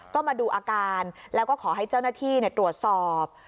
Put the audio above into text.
ก็มาดูอาการแล้วก็ขอให้เจ้าหน้าที่ตรวจสอบ